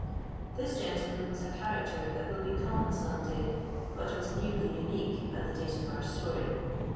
This gentleman was a character that will be common some day, but was nearly unique at the date of our story.